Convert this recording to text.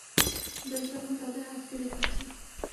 জাতিসংঘ তাদের আটকে রেখেছে।